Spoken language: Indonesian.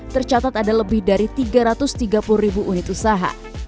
tercatat ada lebih dari tiga ratus tiga puluh ribu unit usaha